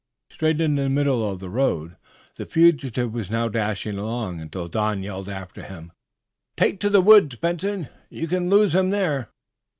Straight in the middle of the road the fugitive was now dashing along, until Don yelled after him: "Take to the woods, Benson! You can lose him there!"